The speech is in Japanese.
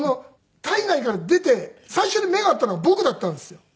胎内から出て最初に目が合ったのは僕だったんですよ。